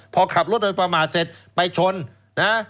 พอขับรถโดยประมาทเสร็จไปชนนะ